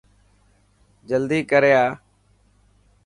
جلدي ڪر آ.